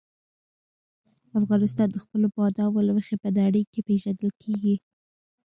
افغانستان د خپلو بادامو له مخې په نړۍ کې پېژندل کېږي.